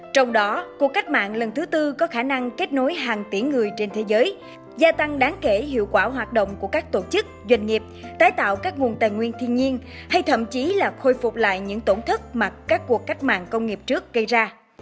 trong đó cuộc cách mạng lần thứ tư có khả năng kết nối hàng tỷ người trên thế giới gia tăng đáng kể hiệu quả hoạt động của các tổ chức doanh nghiệp tái tạo các nguồn tài nguyên thiên nhiên hay thậm chí là khôi phục lại những tổn thất mặt các cuộc cách mạng công nghiệp trước gây ra